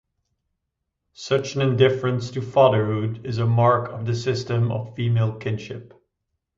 Such an indifference to fatherhood is a mark of the system of female kinship.